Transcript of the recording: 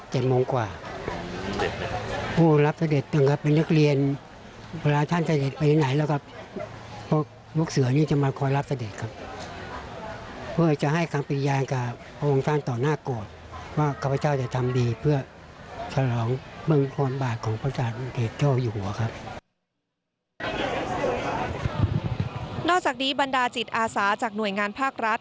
เด็กวัคเซวนี้จะมาคอยรับสะเด็จครับ